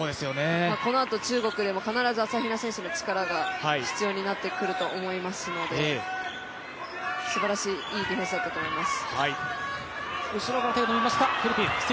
このあと、中国戦でも朝比奈選手の力が必要になってくると思いますのですばらしいいいディフェンスだったと思います。